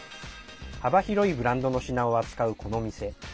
幅広いブランドの品を扱うこの店。